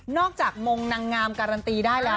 จากมงนางงามการันตีได้แล้ว